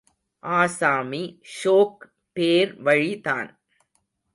ஆசாமி ஷோக் பேர்வழிதான்.